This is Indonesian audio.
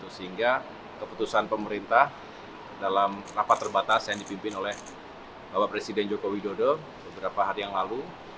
sehingga keputusan pemerintah dalam rapat terbatas yang dipimpin oleh bapak presiden joko widodo beberapa hari yang lalu